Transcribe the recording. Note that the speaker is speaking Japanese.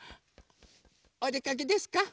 おでかけですか？